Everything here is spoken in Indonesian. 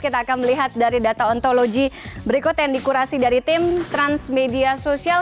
kita akan melihat dari data ontologi berikut yang dikurasi dari tim transmedia sosial